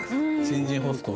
「新人ホスト」。